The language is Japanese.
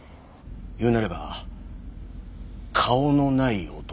言うならば顔のない男。